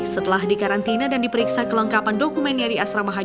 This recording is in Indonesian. setelah dikarantina dan diperiksa kelengkapan dokumennya di as'ra